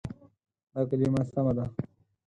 دا کلمه سمه ده.